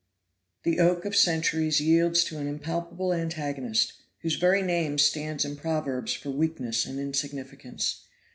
The oak of centuries yields to an impalpable antagonist, whose very name stands in proverbs for weakness and insignificance.